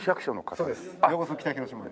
そうです。